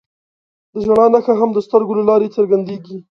د ژړا نښه هم د سترګو له لارې څرګندېږي